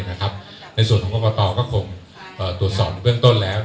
ในส่วนของกรกตก็คงตรวจสอบเบื้องต้นแล้ว